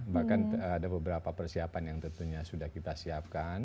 bahkan ada beberapa persiapan yang tentunya sudah kita siapkan